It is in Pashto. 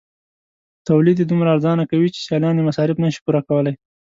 تولید یې دومره ارزانه کوي چې سیالان یې مصارف نشي پوره کولای.